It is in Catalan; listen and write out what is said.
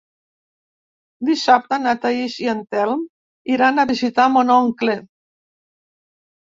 Dissabte na Thaís i en Telm iran a visitar mon oncle.